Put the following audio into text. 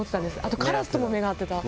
あとカラスとも目が合ってた。